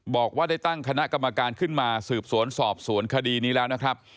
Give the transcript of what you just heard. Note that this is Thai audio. บอกว่าได้ตั้งคณะกรรมการขึ้นมาสืบสวนสอบสวนคดีนี้แล้วนะครับ